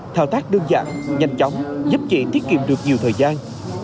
thảo tác đơn giản nhanh chóng giúp chị thiết kiệm được nhiều thời gian